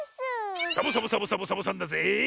サボサボサボサボサボさんだぜえ！